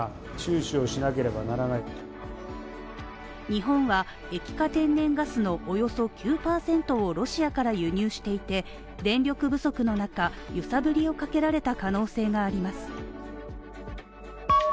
日本は液化天然ガスのおよそ９％をロシアから輸入していて電力不足の中、揺さぶりをかけられた可能性があります。